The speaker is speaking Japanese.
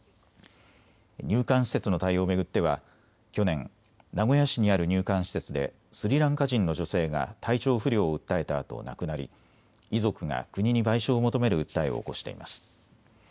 入管施設の対応を巡っては去年、名古屋市にある入管施設でスリランカ人の女性が体調不良を訴えたあと亡くなり遺族が国に賠償を求める訴えを起こしています。